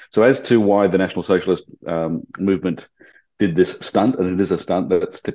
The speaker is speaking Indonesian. setelah penutupan auschwitz jadi itu sangat evokatif